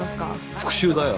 復讐だよ。